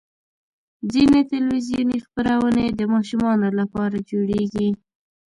ځینې تلویزیوني خپرونې د ماشومانو لپاره جوړېږي.